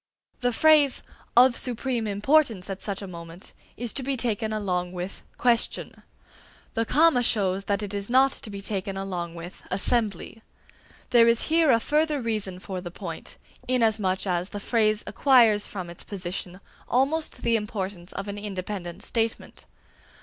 The phrase "of supreme importance at such a moment" is to be taken along with "question"; the comma shows that it is not to be taken along with "assembly." There is here a further reason for the point, inasmuch as the phrase acquires from its position almost the importance of an independent statement.